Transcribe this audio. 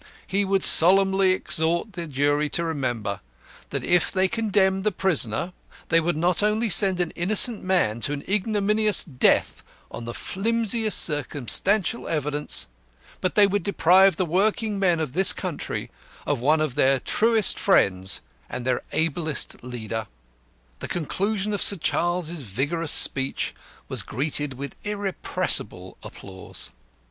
He would solemnly exhort the jury to remember that if they condemned the prisoner they would not only send an innocent man to an ignominious death on the flimsiest circumstantial evidence, but they would deprive the working men of this country of one of their truest friends and their ablest leader. The conclusion of Sir Charles's vigorous speech was greeted with irrepressible applause.